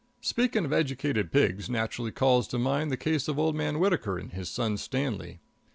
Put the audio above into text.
Speaking of educated pigs, naturally calls to mind the case of old man Whitaker and his son, Stanley.